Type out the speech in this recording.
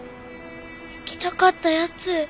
行きたかったやつ。